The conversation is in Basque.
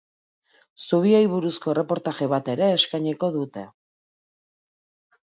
Zubiei buruzko erreportaje bat ere eskainiko dute.